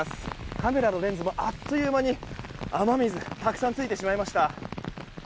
カメラのレンズもあっという間に雨水がたくさんついてしまいました。